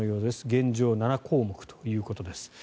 現状は７項目ということです。